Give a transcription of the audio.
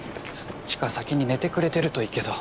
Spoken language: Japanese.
知花先に寝てくれてるといいけど。